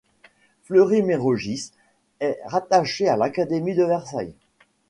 Fleury-Mérogis est rattachée à l'académie de Versailles.